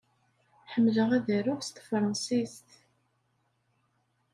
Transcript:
Ḥemmleɣ ad aruɣ s tefṛensist.